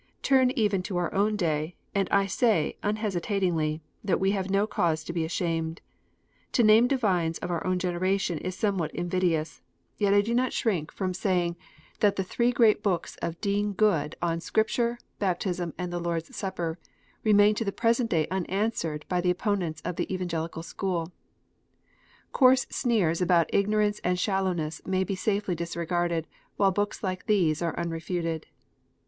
Turn even to our own day, and I say, unhesitatingly, that we have no cause to be ashamed. To name divines of our own generation is somewhat invidious. Yet I do not shrink 10 KNOTS UNTIED. from saying that the three great books of Dean Goode on Scripture, Baptism, and the Lord s Supper, remain to the present day unanswered by the opponents of the Evangelical school Coarse sneers about ignorance and shallowness may be safely disregarded, while books like these are unrefuted.